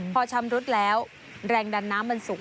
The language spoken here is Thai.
พอชำรุดแล้วแรงดันน้ำมันสูง